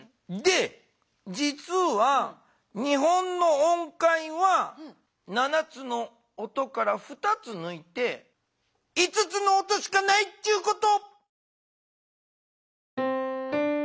じつは日本の音階は７つの音から２つぬいて５つの音しかないっちゅうこと。